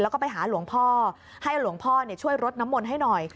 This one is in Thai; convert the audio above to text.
แล้วก็ไปหาหลวงพ่อให้หลวงพ่อช่วยรดน้ำมนต์ให้หน่อย